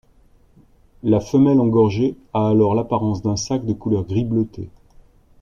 La femelle engorgée a alors l'apparence d'un sac de couleur gris-bleuté.